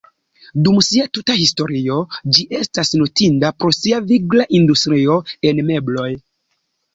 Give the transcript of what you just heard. Dum sia tuta historio, ĝi estas notinda pro sia vigla industrio en mebloj.